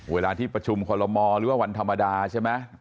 เวลาที่ประชุมคอลโลมอหรือว่าวันธรรมดาใช่ไหม